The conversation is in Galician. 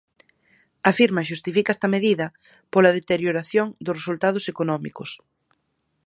A firma xustifica esta medida pola deterioración dos resultados económicos.